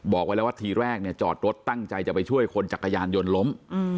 บอกไว้แล้วว่าทีแรกเนี่ยจอดรถตั้งใจจะไปช่วยคนจักรยานยนต์ล้ม